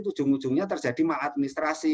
tujung ujungnya terjadi administrasi